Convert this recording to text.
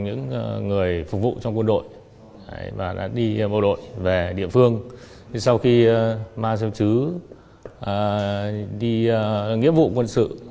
những người phục vụ trong quân đội và đã đi vô đội về địa phương sau khi mang cho chứ đi nghĩa vụ quân sự